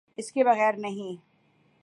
اس کے بغیر نہیں۔